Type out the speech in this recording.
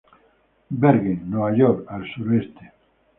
Bergen, Nueva York, al suroeste.